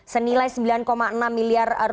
senilai rp sembilan enam miliar